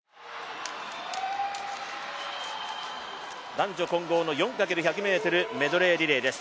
男女混合の４×１００ｍメドレーリレーです。